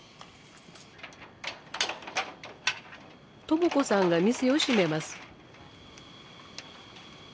朝子さんが店を閉めます。